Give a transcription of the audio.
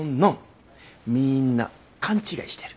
みんな勘違いしてる。